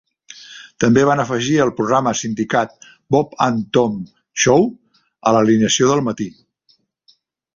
També van afegir el programa sindicat "Bob and Tom Show" a l'alineació del matí.